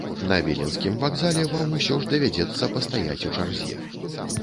На віленскім вакзале вам усё ж давядзецца пастаяць у чарзе.